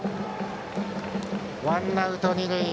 ワンアウト、二塁。